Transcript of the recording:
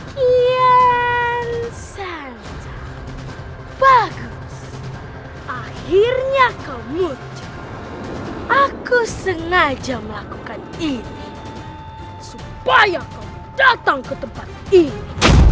kian saja bagus akhirnya kau muncul aku sengaja melakukan ini supaya kau datang ke tempat ini